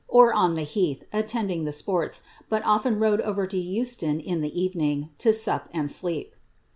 or on the hratlu attending the sports, but ol\en rode over to Euston in the eveoinf, to tiup and sleep.'